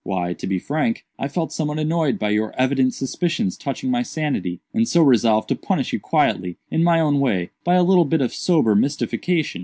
"Why, to be frank, I felt somewhat annoyed by your evident suspicions touching my sanity, and so resolved to punish you quietly, in my own way, by a little bit of sober mystification.